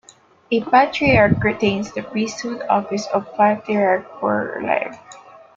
A patriarch retains the priesthood office of patriarch for life.